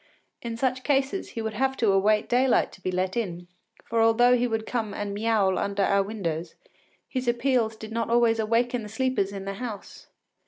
In such cases he would have to await daylight to be let in, for although he would come and miaoul under our windows, his appeals did not always awaken the sleepers in the house.